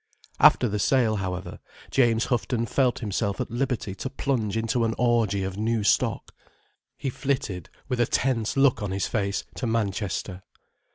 After the sale, however, James Houghton felt himself at liberty to plunge into an orgy of new stock. He flitted, with a tense look on his face, to Manchester.